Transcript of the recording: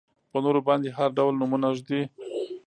په نورو باندې هر ډول نومونه ږدي.